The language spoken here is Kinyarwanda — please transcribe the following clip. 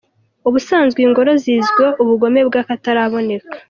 Ubusanzwe ingore zizwiho ubugome bw’ akataraboneka.